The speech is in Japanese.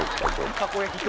たこ焼き